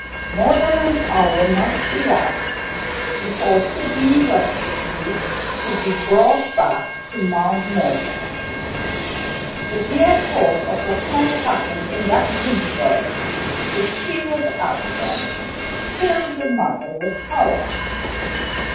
More than an hour must elapse before Sydney Westerfield could be brought back to Mount Morven; the bare thought of what might happen in that interval, if she was absent, filled the mother with horror.